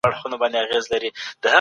شکر کول نعمتونه زياتوي.